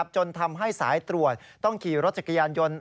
จนทำให้สายตรวจต้องขี่รถจักรยานยนต์